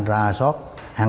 theo quả thật